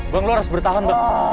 bang lu harus bertahan bang